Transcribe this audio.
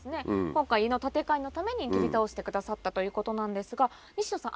今回の建て替えのために切り倒してくださったということなんですが西野さん。